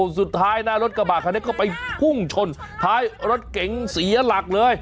สุดท้ายนะรถกระบาดคันนี้ก็ไปพุ่งชนท้ายรถเก๋งเสียหลักเลย